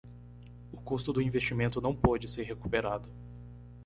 O custo do investimento não pode ser recuperado